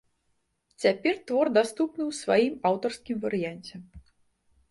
Цяпер твор даступны ў сваім аўтарскім варыянце.